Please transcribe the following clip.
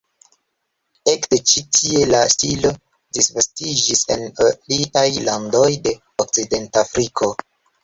Ekde ĉi tie la stilo disvastiĝis en aliajn landojn de Okcidentafriko.